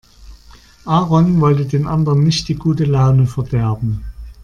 Aaron wollte den anderen nicht die gute Laune verderben.